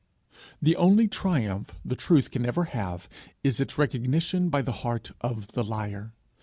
The only triumph the truth can ever have is its recognition by the heart of the liar.